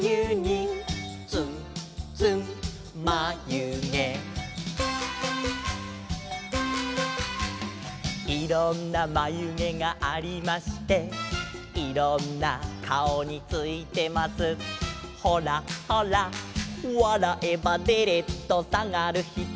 「つんつんまゆげ」「いろんなまゆげがありまして」「いろんなかおについてます」「ほらほら」「わらえばでれっとさがるひと」